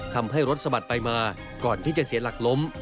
ทำให้รถสะบัดไปมาก่อนที่จะเสียหลักล้ม